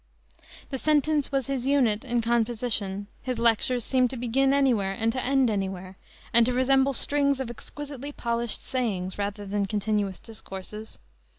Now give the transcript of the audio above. The sentence was his unit in composition. His lectures seemed to begin anywhere and to end anywhere, and to resemble strings of exquisitely polished sayings rather than continuous discourses.